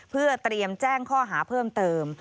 เพื่อเตรียมแจ้งข้อหาเพิ่มเติม